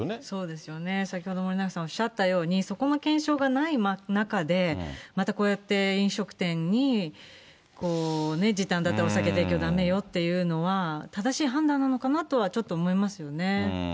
そうですよね、先ほど森永さんおっしゃったように、そこの検証がない中で、またこうやって飲食店に時短だったり、お酒提供だめよっていうのは、正しい判断なのかなとはちょっと思いますよね。